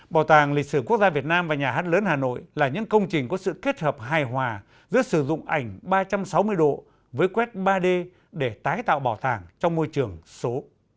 bảo tàng lịch sử quốc gia việt nam và nhà hát lớn hà nội là những công trình có sự kết hợp hài hòa giữa sử dụng ảnh ba trăm sáu mươi độ với quét ba d để tái tạo bảo tàng trong môi trường số